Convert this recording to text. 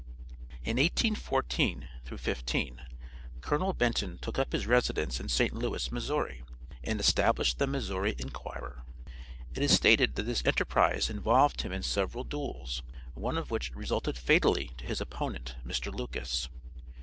In 1814 15 Colonel Benton took up his residence in St. Louis, Missouri, and established the Missouri Enquirer. It is stated that this enterprise involved him in several duels, one of which resulted fatally to his opponent, Mr. Lucas.